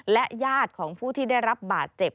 และญาติของผู้ที่ได้รับบาดเจ็บ